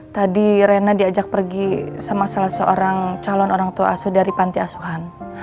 tadi rena diajak pergi sama salah seorang calon orang tua asuh dari panti asuhan